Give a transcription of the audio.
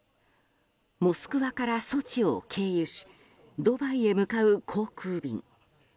モスクワからソチを経由しドバイへ向かう航空便。